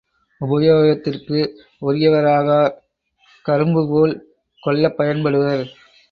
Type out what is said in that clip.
உபயோகத்திற்கு உரியவராகார் கரும்புபோல் கொல்லப்பயன்படுவர்.